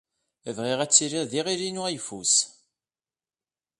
Bɣiɣ ad tiliḍ d iɣil-inu ayeffus.